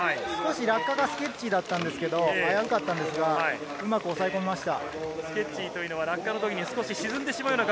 落下がスケッチーだったんですが、速かったんですが、うまく抑え込みました。